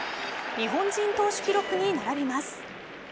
日本人投手記録に並びます。